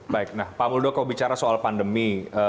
baik nah pak muldo kalau bicara soal pandemi